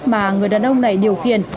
mà người đàn ông này điều khiển